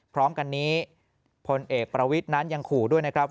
พร้อมกันนี้พลเอกประวิทย์นั้นยังขู่ด้วยนะครับ